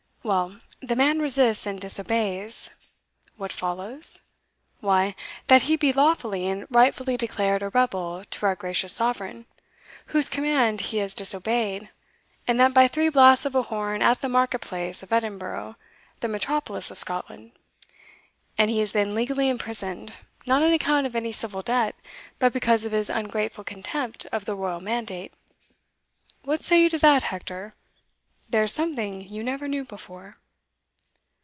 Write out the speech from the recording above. Well, the man resists and disobeys: what follows? Why, that he be lawfully and rightfully declared a rebel to our gracious sovereign, whose command he has disobeyed, and that by three blasts of a horn at the market place of Edinburgh, the metropolis of Scotland. And he is then legally imprisoned, not on account of any civil debt, but because of his ungrateful contempt of the royal mandate. What say you to that, Hector? there's something you never knew before."